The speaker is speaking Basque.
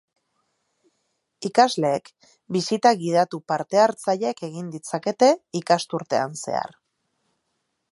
Ikasleek bisita gidatu parte-hartzaileak egin ditzakete ikasturtean zehar.